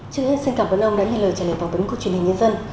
trước hết xin cảm ơn ông đã nhận lời trả lời phỏng vấn của truyền hình nhân dân